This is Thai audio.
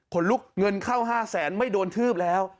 คนลุกเงินเข้า๕แสนไม่โดนทืบแล้ว